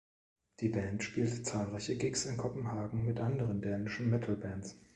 Die Band spielt zahlreiche Gigs in Kopenhagen mit anderen dänischen Metal-Bands.